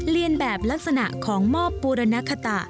เรียนแบบลักษณะของมอบบูรณคตะ